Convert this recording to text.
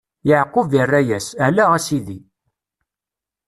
Yeɛqub irra-yas: Ala, a sidi!